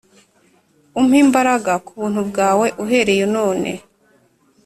umpe imbaraga ku buntu bwawe uhereye none